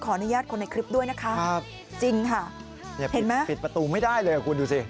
ขออนุญาตคนในคลิปด้วยนะคะจริงค่ะเห็นไหมคุณดูสิปิดประตูไม่ได้เลย